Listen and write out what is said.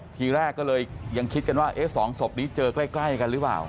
ทีแรกก็เลยยังคิดกันว่า๒ศพนี้เจอใกล้กันหรือเปล่า